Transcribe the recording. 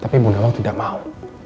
tapi bu nawang tidak mau